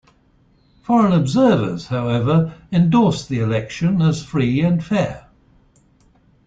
Foreign observers, however, endorsed the election as free and fair.